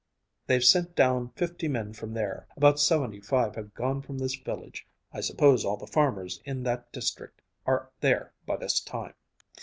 "They've sent down fifty men from there. About seventy five have gone from this village. I suppose all the farmers in that district are there by this time."